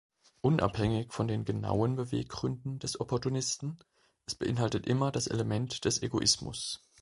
Unabhängig von den genauen Beweggründen des Opportunisten, es beinhaltet immer das Element des Egoismus.